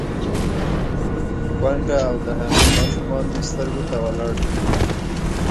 _کونډه او د هغې ماشومان مې سترګو ته ولاړ دي.